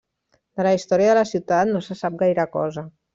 De la història de la ciutat no se sap gaire cosa.